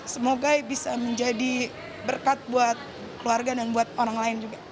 semoga bisa menjadi berkat buat keluarga dan buat orang lain juga